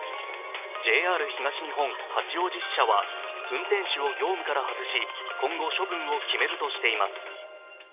ＪＲ東日本・八王子支社は運転士を業務から外し今後処分を決めるとしています。